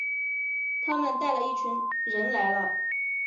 他们带了一群人来了